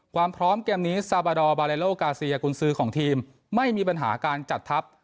ความพร้อมเกมนี้ซาบาดอร์บาเลโลกาเซียกุญซือของทีมไม่มีปัญหาการจัดทัพ